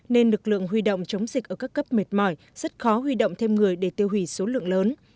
nên lực lượng huy động chống dịch ở các cấp mệt mỏi rất khó huy động thêm người để tiêu hủy số lượng lớn